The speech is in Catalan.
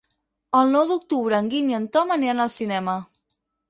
El nou d'octubre en Guim i en Tom aniran al cinema.